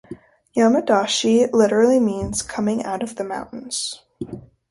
"Yamadashi" literally means "coming out of the mountains".